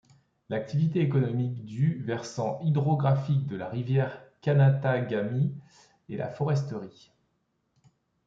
L’activité économique du versant hydrographique de la rivière Canatagami est la foresterie.